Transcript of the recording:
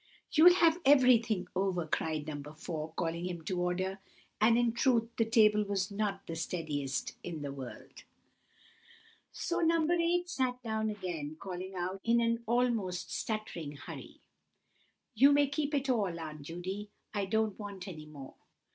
"You'll have everything over," cried No. 4, calling him to order; and in truth the table was not the steadiest in the world. So No. 8 sat down again, calling out, in an almost stuttering hurry, "You may keep it all, Aunt Judy, I don't want any more."